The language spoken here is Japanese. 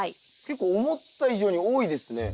結構思った以上に多いですね。